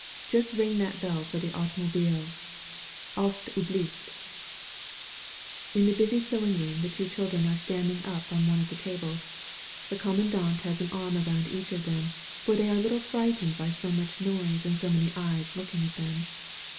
Just ring that bell for the automobile, al8% Vhlieft:* In the busy sewing room the two children are standing up on one of the tables. The commandant has an arm around each of them, for they are a little frightened by so much noise and so many eyes looking at them.